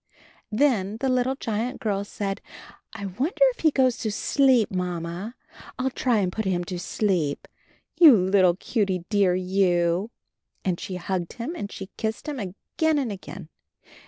Then the little giant girl said, 'T wonder if he goes to sleep. Mamma ; I'll try and put him to sleep. You little cutie dear, you!" and she hugged him and she kissed him again and again.